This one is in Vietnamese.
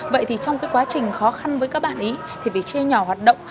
vậy thì trong quá trình khó khăn với các bạn ý thì phải chê nhỏ hoạt động